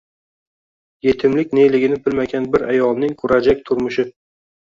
yetimlik neligini bilmagan bir ayolning kurajak turmushi...